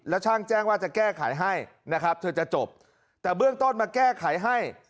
แล้วช่างแจ้งว่าจะแก้ไขให้นะครับเธอจะจบแต่เบื้องต้นมาแก้ไขให้